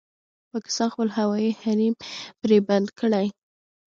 پاکستان خپل هوايي حريم پرې بند کړی